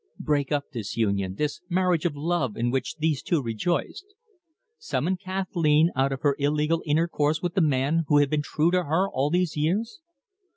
Break up this union, this marriage of love in which these two rejoiced? Summon Kathleen out of her illegal intercourse with the man who had been true to her all these years?